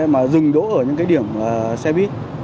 mà dừng đỗ ở những cái điểm xe buýt